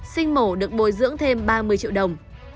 sinh mổ được bồi dưỡng thêm ba mươi triệu đồng